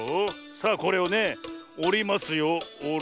さあこれをねおりますよ。